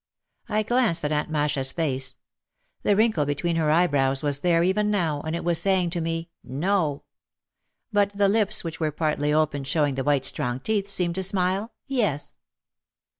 I glanced at Aunt Masha's face. The wrinkle between her eyebrows was there even now, and it was saying to me, "No!" But the lips which were partly open show ing the white strong teeth, seemed to smile, "Yes."